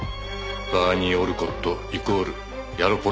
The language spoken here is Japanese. バーニー・オルコットイコールヤロポロク・アレンスキー。